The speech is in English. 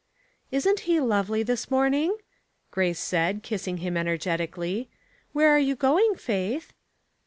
" Isn't he lovely this morning ?" Grace said, kissing him energetically. " Where are you going. Faith